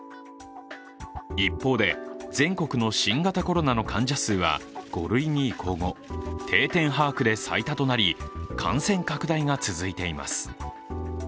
一方で、全国の新型コロナの患者数は５類に移行後定点把握で最多となり感染拡大が続いています